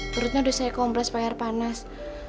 perutnya udah saya kompres payar panas